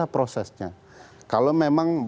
prosesnya kalau memang